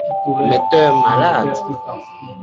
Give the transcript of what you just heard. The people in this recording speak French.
Mais t’es un malade!